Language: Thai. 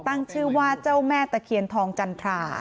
ตั้งชื่อว่าเจ้าแม่ตะเคียนทองจันทรา